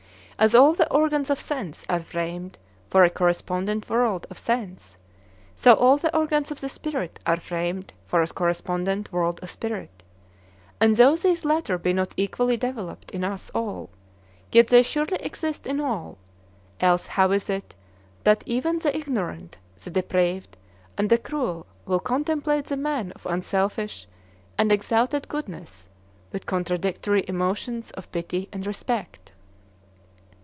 As all the organs of sense are framed for a correspondent world of sense, so all the organs of the spirit are framed for a correspondent world of spirit; and though these latter be not equally developed in us all, yet they surely exist in all; else how is it that even the ignorant, the depraved, and the cruel will contemplate the man of unselfish and exalted goodness with contradictory emotions of pity and respect?